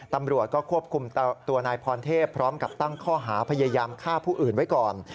ตำรวจก็ควบคุมตัวนายพรเทพพร้อมกับตั้งข้อหาพยายามฆ่าผู้อื่นไว้ก่อน